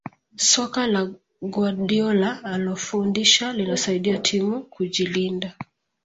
soka la guardiola analofundisha linasaidia timu kujilinda